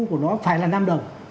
của nó phải là năm đồng